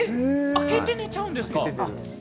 開けて寝ちゃうんですか？